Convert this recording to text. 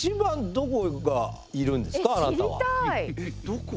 どこ？